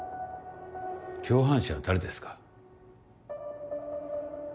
共犯者は誰ですか？